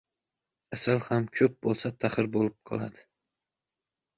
• Asal ham ko‘p bo‘lsa taxir bo‘lib qoladi.